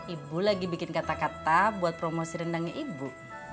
ibu lagi bikin kata kata buat promosi rendangnya ibu